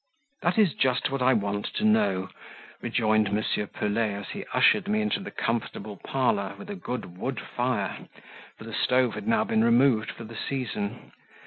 "That is just what I want to know," rejoined M. Pelet, as he ushered me into the comfortable parlour with a good wood fire for the stove had now been removed for the season.